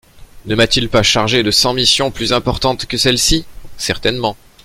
Ne m'a-t-il pas chargé de cent missions plus importantes que celle-ci ? Certainement.